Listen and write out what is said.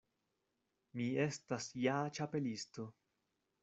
Mi estas ja Ĉapelisto.